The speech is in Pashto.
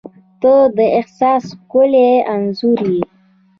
• ته د احساس ښکلی انځور یې.